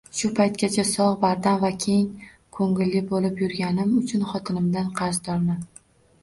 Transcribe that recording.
Shu paytgacha sogʻ, bardam va keng koʻngilli boʻlib yurganim uchun xotinimdan qarzdorman